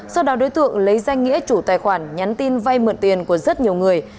sau đó đối tượng lấy danh nghĩa chủ tài khoản nhắn tin vay mượn tiền của rất nhiều người